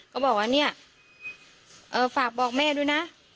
ก็บอกว่าเนี่ยฝากบอกแม่ด้วยนะ